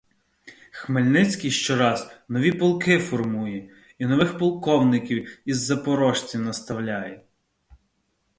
Хмельницький щораз нові полки формує і нових полковників із запорожців наставляє.